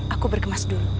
aku bergemas dulu